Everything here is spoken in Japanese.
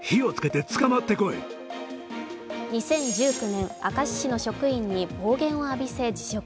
２０１９年、明石市の職員に暴言を浴びせ、辞職。